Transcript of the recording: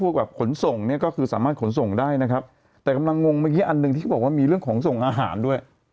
แบบขนส่งเนี่ยก็คือสามารถขนส่งได้นะครับแต่กำลังงงเมื่อกี้อันหนึ่งที่เขาบอกว่ามีเรื่องของส่งอาหารด้วย